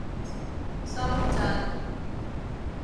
深圳